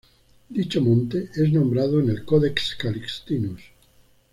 Dicho monte es nombrado en el Codex Calixtinus.